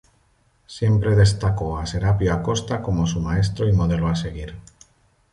Siempre destacó a Serapio Acosta como su maestro y modelo a seguir.